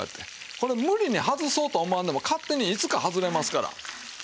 これ無理に外そうと思わんでも勝手にいつか外れますから。